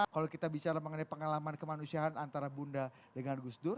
kalau kita bicara mengenai pengalaman kemanusiaan antara bunda dengan gus dur